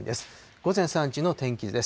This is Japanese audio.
午前３時の天気図です。